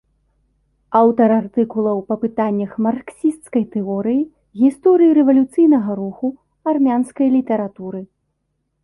Аўтар артыкулаў па пытаннях марксісцкай тэорыі, гісторыі рэвалюцыйнага руху, армянскай літаратуры.